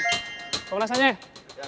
bawa belasannya ya